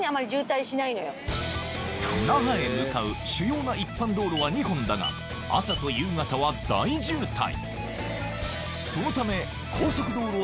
那覇へ向かう主要な一般道路は２本だが朝と夕方は大渋滞！